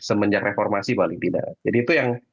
semenjak reformasi paling tidak jadi itu yang